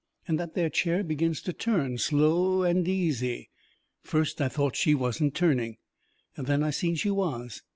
And that there chair begins to turn, slow and easy. First I thought she wasn't turning. Then I seen she was.